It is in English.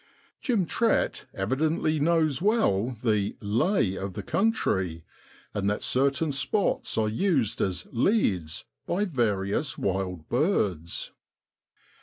Jim Trett evidently knows well the ' lay ' of the country, and that certain spots are used as 4 leads ' by various wild birds.